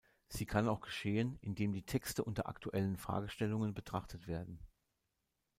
Sie kann auch geschehen, indem die Texte unter aktuellen Fragestellungen betrachtet werden.